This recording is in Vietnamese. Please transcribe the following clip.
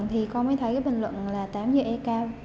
thì con mới thấy cái bình luận là tám h e cao